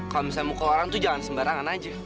kalau misalnya mau ke warang tuh jangan sembarangan aja